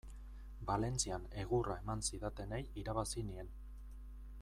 Valentzian egurra eman zidatenei irabazi nien.